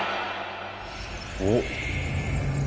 おっ。